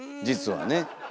実はね。